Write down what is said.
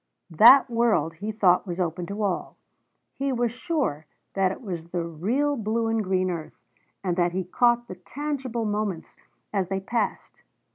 That world he thought was open to all; he was sure that it was the real blue and green earth, and that he caught the tangible moments as they passed.